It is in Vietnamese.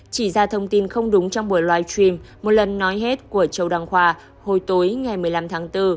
chỉ ra thông tin không đúng trong buổi live stream một lần nói hết của châu đăng khoa hồi tối ngày một mươi năm tháng bốn